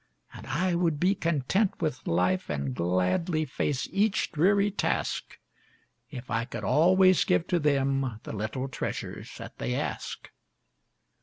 And I would be content with life and gladly face each dreary task, If I could always give to them the little treasures that they ask.